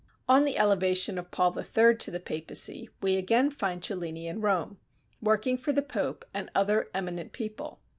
On the elevation of Paul III. to the Papacy we again find Cellini at Rome, working for the Pope and other eminent people.